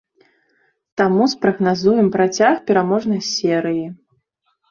Таму спрагназуем працяг пераможнай серыі.